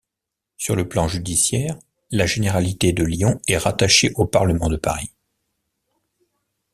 Sur le plan judiciaire, la généralité de Lyon est rattachée au Parlement de Paris.